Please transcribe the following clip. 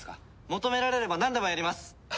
求められればなんでもやります！